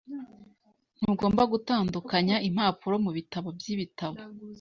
Ntugomba gutandukanya impapuro mubitabo byibitabo.